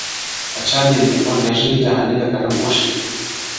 په چا دي ورلېږلي جهاني د قلم اوښکي-